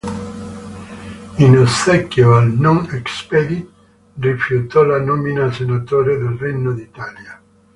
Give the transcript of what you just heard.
In ossequio al "non expedit", rifiutò la nomina a Senatore del Regno d'Italia.